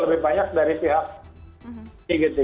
lebih banyak dari pihak